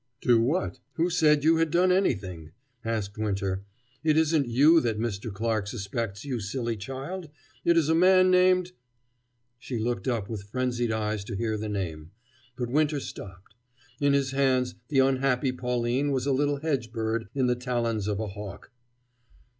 "Do what? Who said you had done anything?" asked Winter. "It isn't you that Mr. Clarke suspects, you silly child, it is a man named " She looked up with frenzied eyes to hear the name but Winter stopped. In his hands the unhappy Pauline was a little hedge bird in the talons of a hawk.